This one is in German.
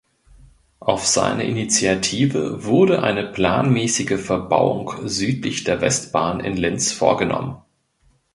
Auf seine Initiative wurde eine planmäßige Verbauung südlich der Westbahn in Linz vorgenommen.